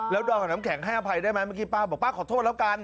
แล้วด่วนแขะแถมแขะอภัยได้ไหมป้าบอกป้าขอโทษแล้วกัน